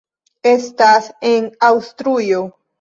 Estas en Aŭstrujo.